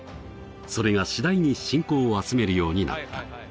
それが次第に信仰を集めるようになった